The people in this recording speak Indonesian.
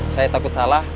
saya takut salah